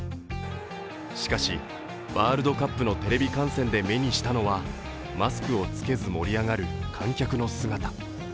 しかしワールドカップのテレビ観戦で目にしたのはマスクを着けず盛り上がる観客の姿。